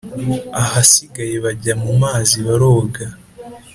ahasigaye bajya mumazi baroga